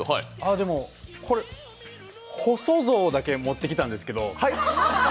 でも、細象だけ持ってきたんですけど。